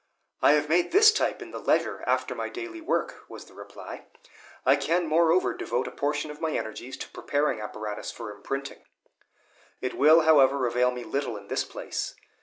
"I have made this type in the leisure after my daily work," was the reply; "I can, moreover, devote a portion of my energies to preparing apparatus for imprinting; it will, however, avail me little in this place.